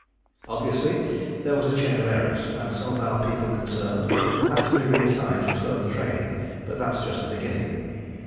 Obviously, there was a chain of errors, and some of our people concerned will have to be reassigned for further training, but that's just the beginning.